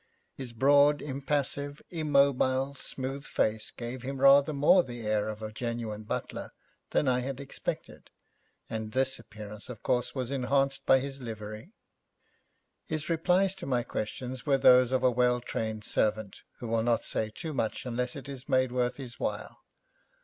His broad, impassive, immobile smooth face gave him rather more the air of a genuine butler than I had expected, and this appearance, of course, was enhanced by his livery. His replies to my questions were those of a well trained servant who will not say too much unless it is made worth his while.